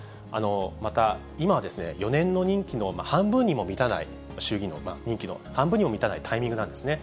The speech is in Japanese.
また、今は４年の任期の半分にも満たない衆議院の任期の半分にも満たないタイミングなんですね。